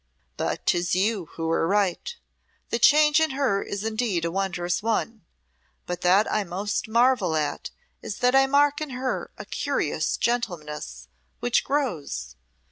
But 'tis you who were right. The change in her is indeed a wondrous one, but that I most marvel at is that I mark in her a curious gentleness, which grows.